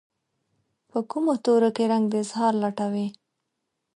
په کومو تورو کې رنګ د اظهار لټوي